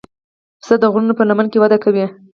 پسه د غرونو په لمنو کې وده کوي.